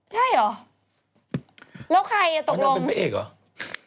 ใช่เหรอแล้วใครอ่ะตกลงว่านั่นเป็นผู้เอกเหรอ